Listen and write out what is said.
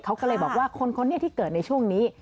เขาก็เลยบอกว่าคนนี้ที่เกิดในช่วงนี้